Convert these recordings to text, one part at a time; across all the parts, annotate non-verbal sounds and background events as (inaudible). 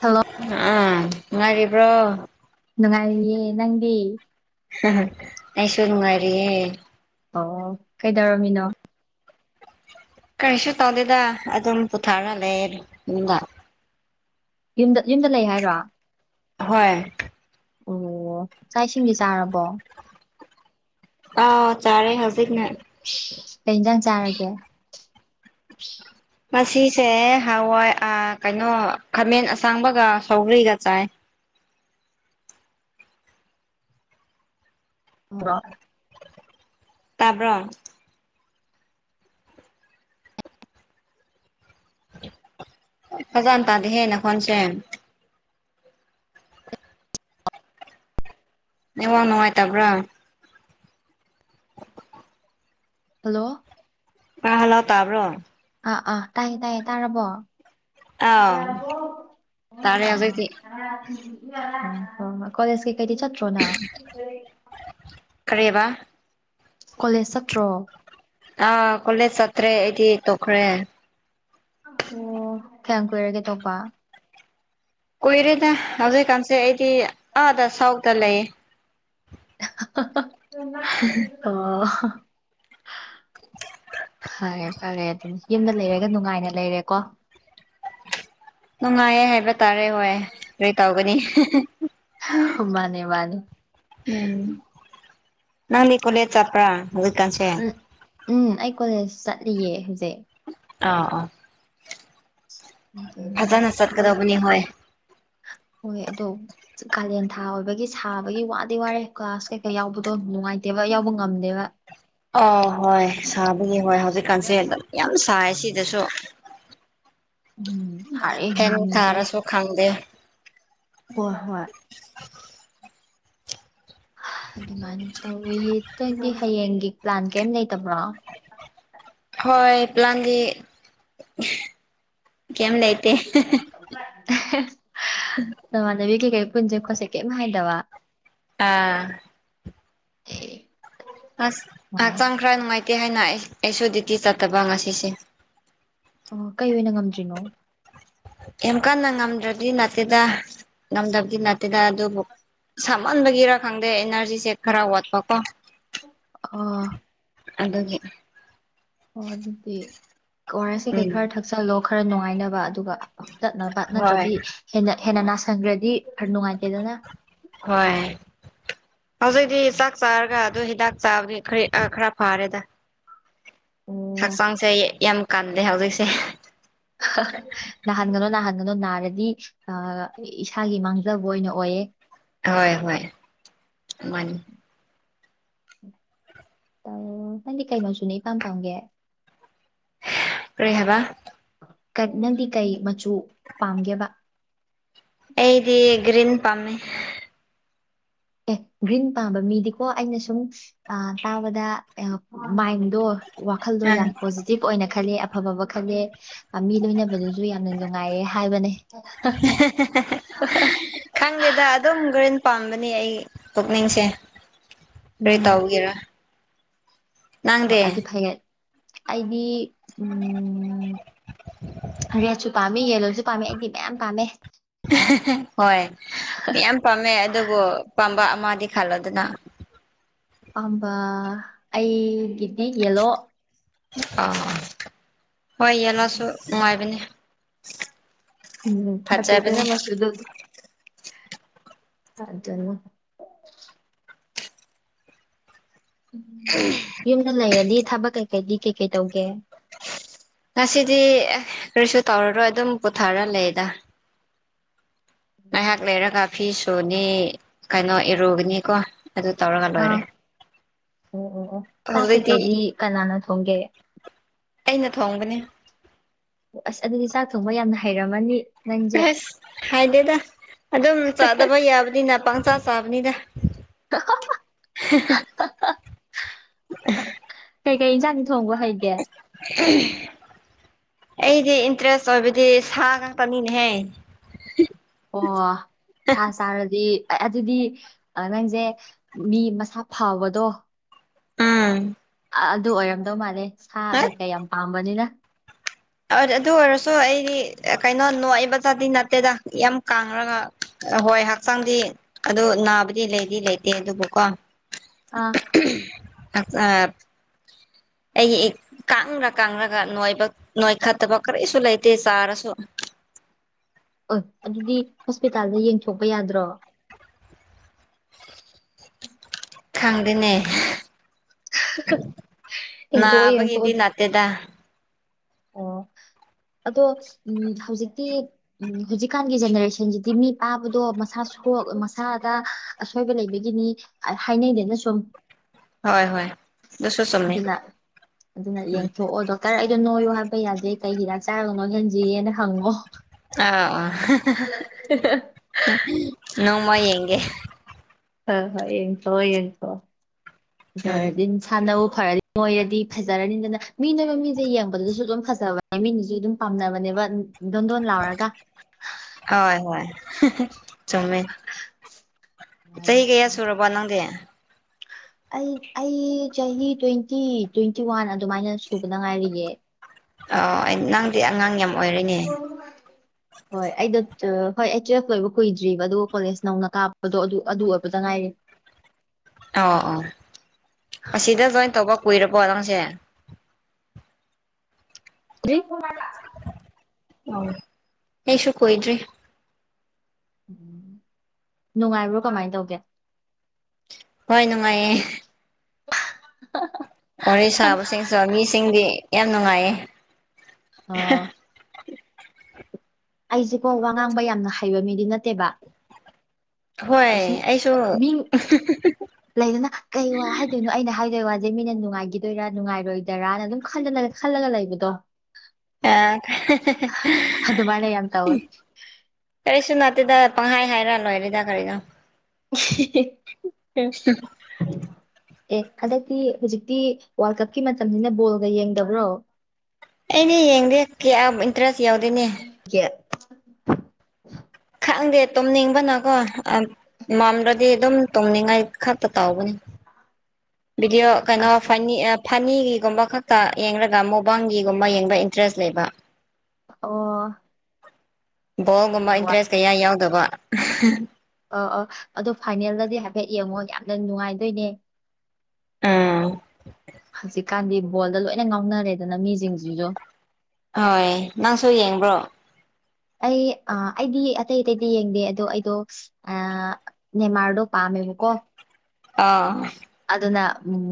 Hello ꯑꯝ ꯅꯨꯉꯥꯏꯔꯤꯕ꯭ꯔꯣ ꯅꯨꯡꯉꯥꯏꯔꯤꯌꯦ ꯅꯪꯗꯤ ꯑꯩꯁꯨ ꯅꯨꯡꯉꯥꯏꯔꯤꯌꯦ ꯑꯣ ꯀꯩꯗꯧꯔꯝꯃꯤꯅꯣ ꯀꯔꯤꯁꯨ ꯇꯧꯗꯦꯗ ꯑꯗꯨꯝ ꯄꯣꯠꯊꯥꯔꯒ ꯂꯩꯌꯦ ꯃꯅꯨꯡꯗ ꯌꯨꯝꯗ ꯌꯨꯝꯗ ꯂꯩ ꯍꯥꯏꯔꯣ ꯍꯣꯏ ꯑꯣ ꯆꯥꯛ ꯏꯁꯤꯡꯗꯤ ꯆꯥꯔꯕꯣ ꯑꯥ ꯆꯥꯔꯦ ꯍꯧꯖꯤꯛꯃꯛ ꯀꯩꯟ ꯏꯟꯖꯥꯡ ꯆꯥꯔꯒꯦ ꯉꯁꯤꯁꯦ ꯍꯋꯥꯏ ꯀꯩꯅꯣ ꯈꯥꯃꯦꯟ ꯑꯁꯥꯡꯕꯒ ꯁꯧꯒ꯭ꯔꯤꯒ ꯆꯥꯏ (unintelligible) ꯇꯥꯕ꯭ꯔꯣ ꯐꯖꯅꯥ ꯇꯥꯗꯦꯍ‌ꯦ ꯅꯈꯣꯟꯁꯦ ꯅ‌ꯦꯠꯋꯥꯛ ꯅꯨꯡꯉꯥꯏꯇꯕ꯭ꯔꯥ ꯍꯜꯂꯣ ꯑꯥ ꯍꯜꯂꫭ ꯇꯥꯕ꯭ꯔꯣ ꯑꯥ ꯑꯥ ꯇꯥꯏꯌꯦ ꯇꯥꯏꯌꯦ ꯇꯥꯔꯕꯣ (unintelligible) ꯑꯥꯎ ꯑꯥ ꯎꯝ ꯇꯥꯔꯦ ꯍꯧꯖꯤꯛꯇꯤ ꯍꫭ ꯍꫭꯏ ꯀꯣꯂꯦꯖ ꯀꯩꯀꯩꯗꯤ ꯆꯠꯇ꯭ꯔꯣ ꯅꯪ ꯀꯔꯤꯑꯕ ꯀꯣꯂꯦꯖ ꯆꯠꯇ꯭ꯔꯣ ꯑꯥ ꯀꯣꯂꯦꯖ ꯆꯇ꯭ꯔꯦ ꯑꯩꯗꯤ ꯇꯣꯛꯈ꯭ꯔꯦ ꯑꯣ ꯀꯌꯥꯝ ꯀꯨꯏꯔꯒꯦ ꯇꯣꯛꯄꯥ ꯀꯨꯏꯔꯦꯗ ꯍꯧꯖꯤꯛꯀꯥꯟꯁꯦ ꯑꯩꯗꯤ ꯑꯥꯗ ꯁꯥꯎꯠꯇꯥ ꯂꯩꯌꯦ (unintelligible) ꯍꯝ ꯑꯣ ꯍꯥꯏꯌꯨ ꯐꯔꯦ ꯑꯗꯨꯝ ꯌꯨꯝꯗ ꯂꯩꯔꯒ ꯅꯨꯡꯉꯥꯏꯅ ꯂꯩꯔꯦꯀꯣ ꯅꯨꯡꯉꯥꯏꯌꯦ ꯍꯥꯏꯕ ꯇꯥꯔꯦ ꯍꯣꯏ ꯀꯔꯤ ꯇꯧꯒꯅꯤ (unintelligible) ꯃꯥꯅꯦ ꯃꯥꯅ‌ꯦ ꯎꯝ ꯅꯪꯗꯤ ꯀꯣꯂꯦꯖ ꯆꯄ꯭ꯔꯥ ꯍꯧꯖꯤꯛ ꯀꯥꯟꯁ‌ꯦ ꯎꯝ ꯎꯝ ꯑꯩ ꯀꯣꯂꯦꯖ ꯆꯠꯂꯤꯌꯦ ꯍꯧꯖꯤꯛ ꯑꯥ ꯑꯥ ꯐꯖꯥꯅ ꯑꯗꯨ ꯆꯠꯀꯗꯕꯅꯤ ꯍꫭꯏ ꯍꯣꯏ ꯑꯗꯣ ꯀꯥꯂꯦꯟ ꯊꯥ ꯑꯣꯏꯕꯒꯤ ꯁꯥꯕꯒꯤ ꯋꯥꯗꯤ ꯋꯥꯔꯦ ꯀ꯭ꯂꯒꯥꯁ ꯀꯩꯀꯥ ꯌꯥꯎꯕꯗꯣ ꯅꯨꯡꯉꯥꯏꯇꯦꯕ ꯌꯥꯎꯕ ꯉꯝꯗꯦꯕ ꯑꯥ ꯍꯣꯏ ꯁꯥꯕꯒꯤ ꯍꯣꯏ ꯍꯧꯖꯤꯛꯀꯥꯟꯁꯦ ꯑꯗꯨꯝ ꯌꯥꯝ ꯁꯥꯏ ꯁꯤꯗꯁꯨ ꯎꯝ ꯁꯥꯔꯦ ꯐ‌ꯦꯟ ꯉꯝꯗ꯭ꯔꯦ ꯊꯥꯔꯁꯨ ꯈꯪꯗꯦ ꯑꫭ ꯍꯣꯏ ꯑꯗꯨꯃꯥꯏꯅ ꯇꯧꯋꯤ ꯅꯪꯗꯤ ꯍꯌꯦꯡꯒꯤ ꯄ꯭ꯂꯥꯟ ꯀꯔꯤꯝ ꯂꯩꯇꯕ꯭ꯔꯣ ꯍꯣꯏ ꯄ꯭ꯂꯥꯟꯗꯤ ꯀꯦꯝ ꯂꯩ ꯅꯃꯥꯟꯅꯕꯤ ꯀꯩꯀꯩ ꯄꯨꯟꯁꯦ ꯈꯣꯠꯁ‌ꯦ ꯀꯩꯝ ꯍꯥꯏꯗꯕꯥ ꯑꯥ ꯎ (unintelligible) ꯑꯁ ꯍꯛꯆꯥꯡ ꯈꯔ ꯅꯨꯡꯉꯥꯏꯇꯦ ꯍꯥꯏꯅ ꯑꯩ ꯑꯩꯁꯨ ꯗ꯭ꯨꯌꯇꯤ ꯆꯠꯇꯕ ꯉꯁꯤꯁꯦ ꯑꯣ ꯀꯩ ꯑꯣꯏꯅꯥ ꯉꯝꯗ꯭ꯔꯤꯅꯣ ꯌꯥꯝ ꯀꯟꯅꯥ ꯉꯝꯗ꯭ꯔꯗꯤ ꯅꯠꯇꯦꯗ ꯉꯝꯗ꯭ꯕꯗꯤ ꯅꯠꯇꯦꯗ ꯑꯗꯨꯕꯨ ꯁꯥꯃꯟꯕꯒꯤꯔꯥ ꯈꯪꯗꯦ ꯏꯅ꯭ꯔꯖꯤꯁꯦ ꯈꯔ ꯋꯥꯠꯄꯀꯣ ꯑꯣ ꯑꯗꯨꯒꯤ ꯑꯣ ꯑꯗꯨꯗꯤ ꯑꯋꯥꯔꯦꯁ ꯀꯩ ꯀꯩ ꯈꯔ ꯎꯝ ꯊꯛꯆꯜꯂꯣ ꯈꯔ ꯅꯨꯡꯉꯥꯏꯅꯕ ꯑꯗꯨꯒ ꯇꯠꯅꯕ ꯍꯣꯏ ꯅꯠꯇ꯭ꯔꯗꯤ ꯍꯦꯟꯅ ꯍꯦꯟꯅ ꯅꯥꯁꯟꯒ꯭ꯔꯗꯤ ꯐ꯭ꯔ ꯅꯨꯡꯉꯥꯏꯇꯦꯗꯅ ꯍꯣꯏ ꯍꯧꯖꯤꯛꯖꯤ ꯆꯥꯛ ꯆꯥꯔꯒ ꯑꯗꯨ ꯍꯤꯗꯥꯛ ꯆꯥꯕꯗꯨꯏ ꯈꯔꯤ ꯑꯥ ꯈꯔ ꯐꯔꯦꯗ ꯑꯣ ꯍꯛꯆꯥꯡꯁꯦ ꯌꯥꯝ ꯀꯜꯗ‌ꯦ ꯍꯧꯖꯤꯛꯁꯦ ꯅꯥꯍꯟꯒꯅꯣ ꯅꯥꯍꯟꯒꯅꯣ ꯅꯥꯔꯗꯤ ꯑꯥ ꯏꯁꯥꯒꯤ ꯃꯥꯡꯖꯕ ꯑꯣꯏꯅ ꯑꯣꯏꯌꯦ ꯍꯣꯏ ꯍꯣꯏ ꯃꯥꯅꯤ ꯇꯥꯕ꯭ꯔꯣ ꯅꯪꯗꯤ ꯀꯩ ꯃꯆꯨꯅ ꯏꯄꯥꯝ ꯄꯥꯝꯒꯦ ꯀ꯭ꯔꯤ ꯍꯥꯏꯕ ꯀꯠ ꯅꯪꯗꯤ ꯀꯩ ꯃꯆꯨ ꯄꯥꯝꯒꯦꯕ ꯑꯩꯗꯤ ꯒ꯭ꯔꯤꯟ ꯄꯥꯝꯃꯦ ꯑꯦ ꯒ꯭ꯔꯤꯟ ꯄꯥꯝꯕ ꯃꯤꯗꯤꯀꯣ ꯑꯩꯅ ꯁꯨꯝ ꯑ ꯇꯥꯕꯗ ꯑꯦꯌꯣꯞ ꯃꯥꯏꯟꯗꯣ ꯋꯥꯈꯜꯗꯣ ꯑꯥ ꯌꯥꯝ ꯄꯣꯖꯤꯇꯤꯞ ꯑꯣꯏꯅ ꯈꯜꯂꯦ ꯑꯐꯕꯕ ꯈꯜꯂꯦ ꯑꯥ ꯃꯤ ꯂꯣꯏꯅꯕꯗꯖꯨ ꯖꯨ ꯌꯥꯝꯅ ꯅꯨꯉꯥꯏꯌꯦ ꯍꯥꯏꯕꯅꯦ ꯗꯨꯝ ꯒ꯭ꯔꯤꯟ ꯄꯥꯡꯒꯅꯤ ꯑꯩ ꯄꯨꯛꯅꯤꯡꯁꯦ ꯀꯔꯤ ꯎꯝ ꯇꯧꯒꯦꯔꯥ ꯈꯛ ꯅꯪꯗꯤ ꯑꯗꯤ ꯐꯩꯌꯦꯠ ꯑꯩꯗꯤ ꯎꯝ ꯔꯦꯠꯁꯨ ꯄꯥꯝꯃꯤ ꯌꯦꯂꯣꯖꯨ ꯄꯥꯝꯃꯦ ꯑꯩꯗꯤ ꯃꯌꯥꯝ ꯄꯥꯝꯃꯦ ꯍꯣꯏ ꯃꯌꯥꯝ ꯄꯥꯝꯃꯦ ꯑꯗꯨꯕꯨ ꯄꯥꯝꯕ ꯑꯃꯗꯤ ꯈꯜꯂꯣꯗꯅ ꯄꯥꯝꯕ ꯑꯩꯒꯤꯗꯤ ꯌꯦꯜꯂꯣ ꯑꯥ ꯍꯣꯏ ꯌꯦꯜꯂꯦꯁꯨ ꯅꯨꯉꯥꯏꯕꯅꯤ ꯎꯝ ꯑꯇꯩꯩꯗꯅ ꯃꯆꯨꯗꯣ ꯗꯨꯝ ꯑꯗꯨꯅꯦ ꯎꯝ (unintelligible) ꯌꯨꯝꯗ ꯂꯩꯔꯗꯤ ꯊꯕꯛ ꯀꯩꯀꯩꯗꯤ ꯀꯩ ꯀꯩ ꯇꯧꯒꯦ ꯉꯁꯤꯗꯤ ꯑꯦ ꯀꯔꯤꯁꯨ ꯇꯧꯔꯔꯣꯏ ꯑꯗꯨꯝ ꯄꯣꯊꯔ ꯂꯩꯌꯦꯗ ꯉꯩꯍꯥꯛ ꯂꯩꯔꯒ ꯐꯤ ꯁꯨꯅꯤ ꯀꯩꯅꯣ ꯏꯔꯨꯒꯅꯤꯀꯣ ꯑꯗꯨ ꯇꯧꯔꯒ ꯑꯥ ꯂꯣꯏꯔꯦ ꯑꯣ ꯑꯣ ꯑꯣ ꯇꯥꯛ ꯍꯧꯖꯤꯛꯇꯤ ꯀꯩꯀꯩꯗꯤ ꯀꯅꯥꯅ ꯊꯣꯡꯒꯦ ꯑꯩꯅ ꯊꯣꯡꯕꯅꯦ ꯑꯣ ꯑꯁ ꯑꯗꯨꯗꯤ ꯆꯥꯛ ꯊꯣꯡꯕ ꯌꯥꯝꯅ ꯍꯩꯔꯝꯃꯅꯤ ꯅꯪꯁꯦ ꯑꯍꯩꯁ ꯍꯥꯏꯗꯦꯗ ꯑꯗꯨꯝ ꯆꯥꯗꯕ ꯌꯥꯕꯅꯤꯅ ꯄꯪꯆꯥ ꯆꯥꯕꯅꯤꯗ (unintelligible) ꯀꯩꯀꯩ ꯏꯟꯖꯥꯡꯗꯤ ꯊꯣꯡꯕ ꯍꯩꯒꯦ ꯑꯩꯗꯤ ꯏꯟꯇ꯭ꯔꯦꯁ ꯑꯣꯏꯕꯗꯤ ꯁꯥ ꯉꯥꯛꯇꯅꯤꯅꯦꯍꯦ ꯑꯣ ꯁꯥ ꯆꯥꯔꯗꯤ ꯑꯦꯑꯗꯨꯗꯤ ꯑ ꯅꯪꯖꯦ ꯃꯤ ꯃꯁꯥ ꯐꯕꯗꯣ ꯎꯝ ꯑ ꯑꯗꯨ ꯑꯣꯏꯔꯝꯗꯧ ꯃꯥꯜꯂꯦ ꯁꯥ ꯀꯩꯀꯩ ꯌꯥꯝ ꯄꯥꯝꯕꯅꯤꯅ ꯑ ꯑꯗꯨ ꯑꯣꯏꯔꯁꯨ ꯑꯩꯗꯤ ꯀꯩꯅꯣ ꯅꯣꯏꯕꯗꯗꯤ ꯅꯠꯇꯦꯗ ꯌꯥꯝ ꯀꯥꯡꯔꯒ ꯑ ꯍꯣꯏ ꯍꯛꯆꯥꯡꯗꯤ ꯑꯗꯨ ꯅꯥꯕꯗꯤ ꯂꯩꯗꯤ ꯂꯩꯇꯦ ꯑꯗꯨꯕꯨꯀꯣ ꯑꯥ ꯑꯠꯆꯞ ꯑꯩ ꯏꯛ ꯀꯪꯔ ꯀꯪꯔꯒ ꯅꯣꯏꯕ ꯅꯣꯏꯈꯠꯇꯕ ꯀꯔꯤꯁꯨ ꯂꯩꯇꯦ ꯆꯥꯔꯁꯨ ꯑꯣ ꯑꯗꯨꯗꯤ ꯍꯣꯁꯄꯤꯇꯥꯜꯗ ꯌꯦꯡꯊꯣꯛꯄ ꯌꯥꯗ꯭ꯔꯣ ꯈꯪꯗꯦꯅꯦ ꯌꯦꯡꯊꯣꯛꯑꯣ ꯅꯥꯕꯒꯤꯗꯤ ꯌꯦꯡꯊꯣꯛꯑꯣ ꯅꯠ ꯇꯦꯗꯥ ꯑꯣ ꯑꯗꯣ ꯎꯝ ꯍꯧꯖꯤꯛꯇꯤ ꯎꯝ ꯍꯨꯖꯤꯛꯀꯥꯟꯒꯤ ꯖꯦꯅꯦꯔꯦꯁꯟꯖꯤꯗꯤ ꯃꯤ ꯄꯥꯕꯗꯣ ꯃꯁꯥ ꯁꯣꯛ ꯃꯁꯥꯗ ꯑꯁꯣꯏꯕ ꯂꯩꯕꯒꯤꯅꯤ ꯑ ꯍꯥꯏꯅꯩꯗꯅ ꯁꯨꯝ ꯍꯣꯏ ꯍꯣꯏ ꯑꯗꯨꯁꯨ ꯆꯨꯝꯃꯦ ꯑꯗꯨꯅ ꯑꯗꯨꯅ ꯎꯝ ꯌꯦꯡꯊꯣꯛꯑꯣ ꯗꯣ ꯇꯔ ꯑꯩꯗꯣ ꯅꯣꯏꯌꯨ ꯍꯥꯏꯕ ꯌꯥꯗꯦ ꯀꯩ ꯍꯤꯗꯥꯛ ꯆꯥꯔꯒ ꯅꯣꯏꯍꯟꯖꯤꯌꯦꯅ ꯍꯪꯉꯣ ꯑ ꯑ ꯅꯣꯡꯃ ꯌꯦꯡꯒꯦ ꯍꯣꯏ ꯍꯣꯏ ꯌꯦꯡꯊꯣꯑꯣ ꯌꯦꯡꯊꯣ ꯎꯝ ꯑꯗꯨꯔꯗꯤ ꯁꯥꯟꯅꯕꯨ ꯐꯔꯗꯤ ꯃꯣꯏꯔꯗꯤ ꯐꯖꯔꯅꯤꯗꯅ ꯃꯤ ꯅꯣꯏꯕ ꯃꯤꯁꯦ ꯌꯦꯡꯕꯗꯁꯨ ꯑꯗꯨꯝ ꯐꯖꯕ ꯃꯤꯅꯤꯖꯨ ꯑꯗꯨꯝ ꯄꯥꯝꯅꯕꯅꯦꯕ ꯗꯣꯟꯗꯣꯟ ꯂꯥꯎꯔꯒ ꯍꯣꯏ ꯍꯣꯏ ꯆꯨꯝꯃꯦ ꯑꯗꯨꯃꯥꯏꯅ. ꯆꯍꯤ ꯀꯌꯥ ꯁꯨꯔꯕꯣ ꯅꯪꯗꯤ ꯑꯩ ꯑꯩ ꯆꯍꯤ ꯇ꯭ꯋꯦꯟꯇꯤ ꯇ꯭ꯋꯦꯟꯇꯤ ꯋꯥꯟ ꯑꯗꯨꯃꯥꯏꯅ ꯁꯨꯕꯗ ꯉꯥꯏꯔꯤꯌꯦ ꯑꯣ ꯑꯩ ꯅꯪꯗꯤ ꯑꯉꯥꯡ ꯌꯥꯝ ꯑꯣꯏꯔꯦꯅꯦ (unintelligible) ꯍꯣꯏ ꯑꯩꯗ ꯍꯣꯏ ꯑꯩ ꯇꯨꯋꯦꯜꯐ ꯂꯣꯏꯕ ꯀꯨꯏꯗ꯭ꯔꯤꯕ ꯑꯗꯨꯒ ꯀꯣꯂꯦꯖ ꯅꯧꯅ ꯀꯥꯞꯕꯗꯣ ꯑꯗꯨ ꯑꯗꯨ ꯑꯣꯏꯕꯇ ꯉꯥꯏꯔꯤ ꯑꯣ ꯑꯣ ꯑꯁꯤꯗ ꯖꯣꯏꯟ ꯇꯧꯕ ꯀꯨꯏꯔꯕꯣ ꯅꯪꯖꯦ (unintelligible) ꯎꯝ ꯑꯩꯁꯨ ꯀꯨꯏꯗ꯭ꯔꯤ ꯎꯝ ꯅꯨꯡꯉꯥꯏꯕ꯭ꯔꯣ ꯀꯃꯥꯏꯅ ꯇꯧꯒꯦ ꯍꯣꯏ ꯅꯨꯡꯉꯥꯏꯌꯦ (unintelligible) ꯋꯥꯔꯤ ꯁꯥꯕꯁꯤꯡꯁꯨ ꯃꯤꯁꯤꯡꯗꯤ ꯌꯥꯝ ꯅꯨꯡꯉꯥꯏꯌꯦ ꯑꯣ ꯑꯩꯖꯦꯀꯣ ꯋꯥ ꯉꯥꯡꯕ ꯌꯥꯝꯅ ꯍꯩꯕ ꯃꯤꯗꯤ ꯅꯠꯇꯦꯕ ꯑ, ꯍꯣꯏ ꯁꯨꯝ ꯑꯩꯁꯨ ꯃꯤ ꯂꯩꯗꯅ ꯀꯩ ꯋꯥ ꯍꯥꯏꯗꯣꯏꯅꯣ ꯑꯩꯅ ꯍꯥꯏꯗꯣꯏ ꯋꯥ ꯃꯤꯅ ꯅꯨꯡꯉꯥꯏꯈꯤꯗꯣꯏꯔꯥ ꯅꯨꯡꯉꯥꯏꯔꯣꯏꯗꯣꯏꯔꯅ ꯑꯗꯨꯝ ꯈꯜꯂꯒ ꯂꯩꯕꯗꯣ ꯑꯥ ꯑꯗꯨꯃꯥꯏꯅ ꯌꯥꯝ ꯇꯧꯋꯦ ꯀꯔꯤꯁꯨ ꯅꯠꯇꯦꯗ ꯄꯪꯍꯥꯏ ꯍꯥꯏꯔ ꯂꯣꯏꯔꯦꯗ ꯀꯔꯤꯅꯣ (unintelligible) ꯑꯦ ꯍꯟꯗꯛꯇꯤ ꯍꯧꯖꯤꯛꯇꯤ ꯋꯥꯔꯜ ꯀꯞꯀꯤ ꯃꯇꯝꯅꯤꯁꯤꯅ ꯕꯣꯜꯒ ꯌꯦꯡꯗꯕ꯭ꯔꯣ ꯑꯅꯦ ꯌꯦꯡꯗꯦ ꯀꯌꯥ ꯏꯟꯇꯔꯦꯁ ꯌꯥꯎꯗꯦꯅꯦ ꯀꯦ ꯈꯪꯗꯦ ꯇꯨꯝꯅꯤꯡꯕꯅꯀꯣ ꯃꯝꯗ꯭ꯔꯗꯤ ꯑꯗꯨꯝ ꯇꯨꯝꯅꯤꯡꯉꯥꯏ ꯈꯛꯇ ꯇꯥꯎꯕꯅꯦ ꯗꯤꯑꯣ ꯀꯩꯅꯣ ꯑꯁ ꯐꯅꯤ ꯐꯅꯤꯒꯤꯒꯨꯝꯕ ꯈꯛꯇ ꯌꯦꯡꯔꯒ ꯃꯣꯕꯥꯜꯒꯤꯒꯨꯝꯕ ꯌꯦꯡꯕ ꯏꯟꯇꯔꯦꯁ ꯂꯩꯕ ꯑꯣ ꯕꯣꯜꯒꯨꯝꯕ ꯑꯗꯣ ꯑ ꯏꯟꯇꯔꯦꯁ ꯀꯌꯥ ꯌꯥꯎꯗꯕ ꯑꯣ ꯑꯣ ꯑꯗꯣ ꯐꯥꯏꯅꯦꯜꯗꯗꯤ ꯍꯥꯏꯐꯦꯠ ꯌꯦꯡꯉꯣ ꯌꯥꯝꯅ ꯅꯨꯡꯉꯥꯏꯗꯨꯏꯅꯦ ꯑꯥ ꯍꯧꯖꯤꯛꯀꯥꯟꯗꯤ ꯕꯣꯜꯗ ꯂꯣꯏꯅ ꯉꯥꯎꯅꯔꯦꯗꯅ ꯃꯤꯖꯤꯡꯖꯤꯁꯨ ꯍꯣꯏ ꯅꯪꯁꯨ ꯌꯦꯡꯕ꯭ꯔꯣ ꯑꯩ ꯑꯥ ꯑꯩꯗꯤ ꯑꯇꯩ ꯑꯇꯩꯗꯤ ꯌꯦꯡꯗꯦ ꯑꯗꯣ ꯑꯩꯗꯣ ꯑꯥ ꯅꯦꯝꯃꯥꯔꯗꯣ ꯄꯥꯝꯃꯦꯕꯀꯣ ꯑꯥ ꯑꯗꯨꯅ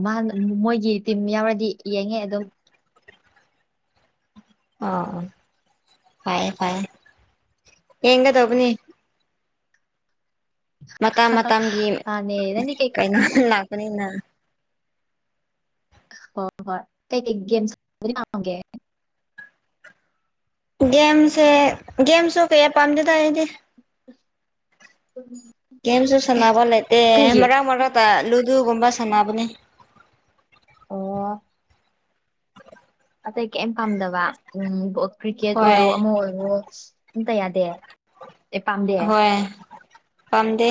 ꯃꯥ ꯃꯣꯏꯒꯤ ꯇꯤꯝ ꯌꯥꯎꯔꯗꯤ ꯌꯦꯡꯉꯦ ꯑꯗꯨꯝ ꯑꯣ ꯑꯣ ꯐꯏꯌꯦ ꯐꯏꯌꯦ ꯌꯦꯡꯒꯗꯧꯕꯅꯦ ꯃꯇꯥꯝ ꯃꯇꯝꯒꯤ ꯃꯥꯅꯦ ꯅꯪꯗꯤ ꯀꯩ ꯀꯩꯅꯣꯗꯪ ꯂꯥꯛꯄꯅꯤꯅ ꯍꯣꯏ ꯍꯣꯏ ꯀꯩ ꯀꯩ ꯒꯦꯝ ꯁꯅꯕ ꯄꯥꯝꯒꯦ ꯒꯦꯝꯁꯦ ꯒꯦꯝꯁꯨ ꯀꯌꯥ ꯄꯥꯝꯗꯦꯗ ꯑꯩꯗꯤ ꯇꯨꯝꯃꯦ ꯒꯦꯝꯁꯨ ꯁꯥꯟꯅꯕ ꯂꯩꯇꯦ ꯃꯔꯛ ꯃꯔꯛꯇ ꯂꯨꯗꯨꯒꯨꯝꯕ ꯁꯥꯟꯅꯕꯅꯦ ꯑꯣ ꯑꯇꯩ ꯀꯩꯝ ꯄꯥꯝꯗꯕ ꯎꯝ ꯕꯣ ꯀ꯭ꯔꯤꯀꯦꯠ ꯑꯣꯏꯔꯣ ꯍꯣꯏ ꯑꯃ ꯑꯣꯏꯔꯣ ꯑꯝꯇ ꯌꯥꯗꯦ ꯑꯦ ꯄꯥꯝꯗꯦ ꯑꯍꯣꯏ ꯄꯥꯝꯗꯦ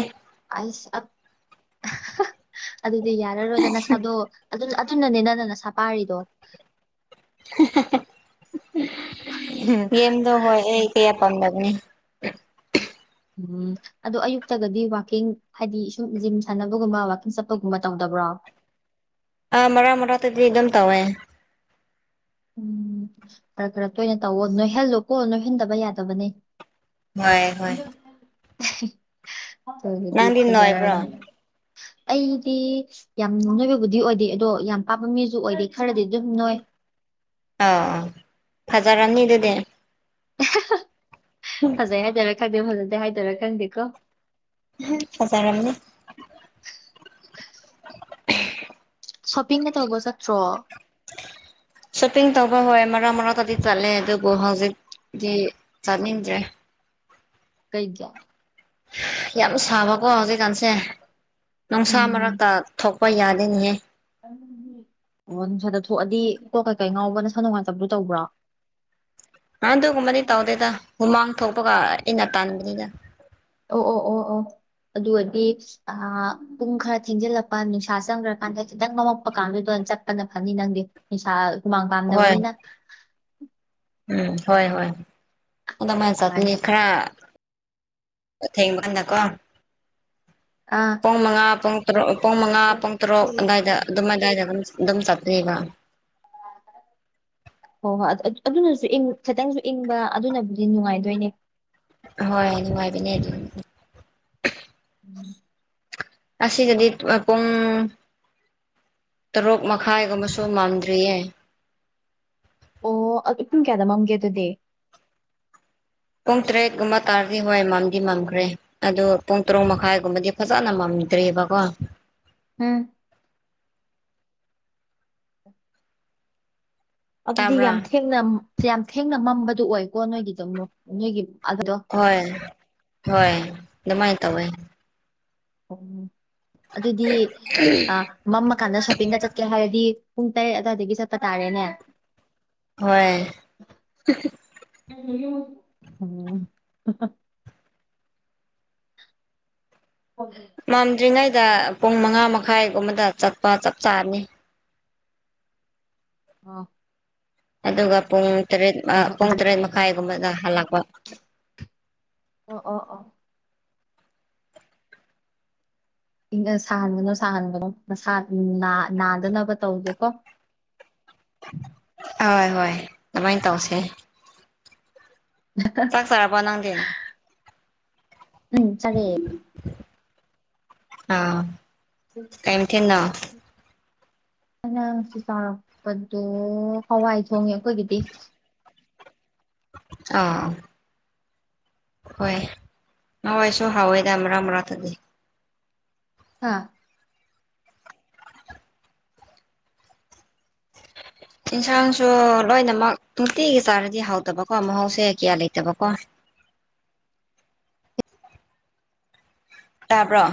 ꯑꯩꯁ ꯑꯠ ꯑꯗꯨꯗꯤ ꯌꯥꯔꯔꯣꯏꯗ ꯅꯁꯥꯗꯣ ꯑꯗꯨꯅ ꯑꯠ ꯗꯨꯅꯅꯦ ꯅꯪꯅ ꯅꯁꯥ ꯄꯥꯔꯤꯗꯣ (unintelligible) ꯒꯦꯝꯗꯣ ꯍꯣꯏ ꯑꯩ ꯀꯌꯥ ꯄꯥꯝꯗꯕꯅꯦ (unintelligible) ꯑꯗꯣ ꯑꯌꯨꯛꯇꯒꯗꯤ ꯋꯥꯀꯤꯡ ꯍꯥꯏꯗꯤ ꯁꯨꯝ ꯖꯤꯝ ꯁꯥꯟꯅꯕꯒꯨꯝꯕ ꯋꯥꯀꯤꯡ ꯆꯠꯄꯒꯨꯝꯕ ꯇꯧꯗꯕ꯭ꯔꯣ ꯑꯥ ꯃꯔꯛ ꯃꯔꯛꯇꯗꯤ ꯑꯗꯨꯝ ꯇꯧꯋꯦ ꯎꯝ ꯈꯔ ꯈꯔ ꯇꯣꯏꯅ ꯇꯧꯋꯣ ꯅꯣꯏꯍꯜꯂꯨꯀꯣ ꯅꯣꯏꯍꯟꯗꯕ ꯌꯥꯗꯕꯅꯦ ꯍꯣꯏ ꯍꯣꯏ ꯑꯗꯨꯒꯗꯤ ꯅꯪꯗꯤ ꯅꯣꯏꯕ꯭ꯔꯣ ꯐꯖꯔꯅꯤ ꯑꯥ ꯑꯩꯗꯤ ꯌꯥꯝ ꯅꯣꯏꯕꯕꯨꯗꯤ ꯑꯣꯏꯗꯦ ꯑꯗꯣ ꯌꯥꯝ ꯄꯥꯕ ꯃꯤꯖꯨ ꯑꯣꯏꯗꯦ ꯈꯔꯗꯤ ꯑꯗꯨꯝ ꯅꯣꯏ ꯑꯥ ꯑ ꯐꯖꯔꯅꯤ ꯑꯗꯨꯗꯤ ꯐꯖꯩ ꯍꯥꯏꯗꯣꯏꯔ ꯈꯪꯗꯦ ꯐꯖꯗꯦ ꯍꯥꯏꯗꯣꯏꯔ ꯈꯪꯗꯦꯀꯣ ꯐꯖꯔꯝꯅꯤ ꯁꯣꯞꯄꯤꯡꯒ ꯇꯧꯕ ꯆꯠꯇ꯭ꯔꯣ ꯁꯣꯞꯄꯤꯡ ꯇꯧꯕ ꯍꯣꯏ ꯃꯔꯛ ꯃꯔꯛꯇꯗꯤ ꯆꯠꯂꯦ ꯑꯗꯨꯕꯨ ꯍꯧꯖꯤꯛꯇꯤ ꯆꯠꯅꯤꯡꯗ꯭ꯔꯦ ꯀꯩꯒꯤ ꯌꯥꯝ ꯁꯥꯕꯀꯣ ꯍꯧꯖꯤꯛꯀꯥꯟꯁꯦ ꯅꯨꯡꯁꯥ ꯎꯝ ꯃꯔꯛꯇ ꯊꯣꯛꯄ ꯌꯥꯗꯦꯅꯦꯍꯦ ꯑꯣ ꯅꯨꯡꯁꯥꯗ ꯊꯣꯛꯑꯗꯤ ꯀꯣꯛ ꯀꯩꯀꯩ ꯉꯥꯎꯕ ꯅꯁꯥ ꯅꯨꯡꯉꯥꯏꯇꯕꯗꯨ ꯇꯧꯕ꯭ꯔꯣ ꯑꯗꯨꯒꯨꯝꯕꯗꯤ ꯇꯧꯗꯦꯗ ꯍꯨꯃꯥꯡ ꯊꯣꯛꯄꯒ ꯑꯩꯅ ꯇꯟꯕꯅꯤꯗ ꯑꯣ ꯑꯣ ꯑꯣ ꯑꯣ ꯑꯗꯨꯑꯣꯏꯗꯤ ꯑꯥ ꯄꯨꯡ ꯈꯔ ꯊꯦꯡꯖꯤꯜꯂꯛꯄ ꯅꯨꯡꯁꯥ ꯆꯪꯒ꯭ꯔꯀꯥꯟꯗ ꯈꯤꯇꯪ ꯃꯝꯃꯛꯄ ꯀꯥꯟꯗꯨꯗ ꯆꯠꯄꯅ ꯐꯅꯤ ꯅꯪꯗꯤ ꯏꯁꯥ ꯍꯨꯃꯥꯡ ꯍꯣꯏ ꯀꯥꯡꯗꯕꯅꯤꯅ ꯎꯝ ꯍꯣꯏ ꯍꯣꯏ ꯑꯗꯨꯃꯥꯏꯅ ꯆꯠꯄꯅꯤ ꯈꯔ ꯑꯊꯦꯡꯕꯀꯟꯗ ꯀꯣ ꯑꯥ ꯄꯨꯡ ꯃꯉꯥ ꯄꯨꯡ ꯇ꯭ꯔꯨꯛ ꯄꯨꯡ ꯃꯉꯥ ꯄꯨꯡ ꯇ꯭ꯔꯨꯛ ꯑꯗꯥꯏꯗ ꯑꯗꯨꯝ ꯑꯗꯥꯏꯗ ꯑꯗꯨꯝ ꯆꯠꯂꯦꯕ (unintelligible) ꯍꯣ ꯍꯣꯏ ꯑꯠ ꯑꯗꯨꯅꯁꯨ ꯏꯪ ꯈꯤꯇꯪꯁꯨ ꯏꯪꯕ ꯑꯗꯨꯅꯕꯨꯗꯤ ꯅꯨꯡꯉꯥꯏꯗꯣꯏꯅꯦ ꯍꯣꯏ ꯅꯨꯉꯥꯏꯕꯅꯦ ꯑꯗꯨ (unintelligible) ꯑꯁꯤꯗꯗꯤ ꯇꯨꯑ ꯄꯨꯡ ꯇꯔꯨꯛ ꯃꯈꯥꯏꯒꯨꯝꯃꯁꯨ ꯃꯝꯗ꯭ꯔꯤꯌꯦ ꯑꯣ ꯑꯗꯨ ꯄꯨꯡ ꯀꯌꯥꯗ ꯃꯝꯒꯦ ꯑꯗꯨꯗꯤ ꯄꯨꯡ ꯇ꯭ꯔꯦꯠ ꯀꯨꯝꯕ ꯇꯥꯔꯗꯤ ꯍꯣꯏ ꯃꯝꯗꯤ ꯃꯝꯈ꯭ꯔꯦ ꯑꯗꯨ ꯄꯨꯡ ꯇ꯭ꯔꯨꯛ ꯃꯈꯥꯏꯒꯨꯝꯕꯗꯤ ꯐꯖꯅ ꯃꯝꯗ꯭ꯔꯤꯕꯀꯣ ꯎꯝ ꯑꯗꯨꯗꯤ ꯇꯥꯕ꯭ꯔꯥ ꯌꯥꯝ ꯊꯦꯡꯅ ꯌꯥꯝ ꯊꯦꯡꯅ ꯃꯝꯕꯗꯨ ꯑꯣꯏꯀꯣ ꯅꯣꯏꯒꯤꯗꯨ ꯅꯣꯏꯒꯤ ꯑꯗꯨꯗꯣ ꯍꯣꯏ ꯍꯣꯏ ꯗꯨꯃꯥꯏ ꯇꯧꯋꯦ ꯑꯣ ꯑꯗꯨꯗꯤ ꯑ ꯃꯝꯃ ꯀꯥꯟꯗ ꯁꯣꯄꯤꯡꯒ ꯆꯠꯀꯦ ꯍꯥꯏꯔꯗꯤ ꯄꯨꯡ ꯇꯔꯦꯠ ꯑꯗꯥꯏꯗꯒꯤ ꯆꯠꯄ ꯇꯥꯔꯦꯅꯦ ꯍꯣꯏ ꯎꯝ ꯑꯣ (unintelligible) ꯃꯝꯗ꯭ꯔꯤꯉꯩꯗ ꯄꯨꯡ ꯃꯉꯥ ꯃꯈꯥꯏꯒꯨꯝꯕꯗ ꯆꯠꯄ ꯆꯞ ꯆꯥꯔꯅꯤ ꯑꯣ ꯑꯗꯨꯒ ꯄꯨꯡ ꯇꯔꯦꯠ ꯍꯣꯏ ꯄꯨꯡ ꯇꯔꯦꯠ ꯃꯈꯥꯏꯒꯨꯝꯕꯗ ꯍꯜꯂꯛꯄ ꯑꯣ ꯑꯣ ꯑꯣ ꯁꯥꯍꯟꯒꯅꯣ ꯁꯥꯍꯟꯒꯅꯣ ꯃꯁꯥꯗꯣ ꯅꯥꯗꯅꯕ ꯇꯧꯒꯦꯀꯣ ꯍꯣꯏ ꯍꯣꯏ ꯑꯗꯨꯃꯥꯏꯅ ꯇꯧꯁꯦ ꯍꯥꯍꯥ (unintelligible) ꯆꯥꯛ ꯆꯥꯔꯕꯣ ꯅꯪꯗꯤ ꯎꯝ ꯆꯥꯔꯛꯑꯦ ꯑꯥ ꯎꯝ ꯀꯩ ꯃꯥꯊꯦꯟꯅꯣ ꯑꯩꯅ ꯉꯥꯁꯤ ꯆꯥꯛꯄꯗꯣ ꯍꯋꯥꯏ ꯊꯣꯡꯉꯦ ꯑꯩꯈꯣꯏꯒꯤꯗꯤ ꯑꯥ ꯍꯣꯏ ꯍꯋꯥꯏꯁꯨ ꯍꯥꯎꯋꯦꯗ ꯃꯔꯛ ꯃꯔꯥꯛꯇꯗꯤ ꯍꯥꯥ ꯌꯦꯟꯁꯥꯡꯁꯨ ꯂꯣꯏꯅꯃꯛ ꯅꯨꯡꯇꯤꯒꯤ ꯆꯥꯔꯗꯤ ꯍꯥꯎꯇꯕꯀꯣ ꯃꯍꯧꯁꯦ ꯀꯌꯥ ꯂꯩꯇꯕꯀꯣ ꯇꯥꯕ꯭ꯔꯣ